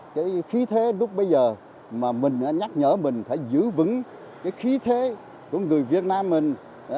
cái khí thế lúc bây giờ mà mình đã nhắc nhở mình phải giữ vững cái khí thế của người việt nam mình